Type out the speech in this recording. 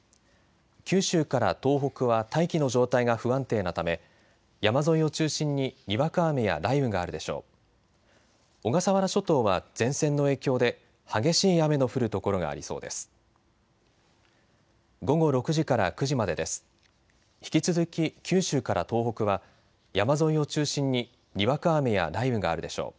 九州から東北は大気の状態が不安定なため山沿いを中心ににわか雨や雷雨があるでしょう。